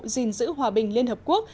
gìn giữ hòa bình liên hợp quốc